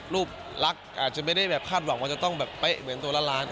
รูปลักษณ์อาจจะไม่ได้แบบคาดหวังว่าจะต้องแบบเป๊ะเหมือนตัวล้าน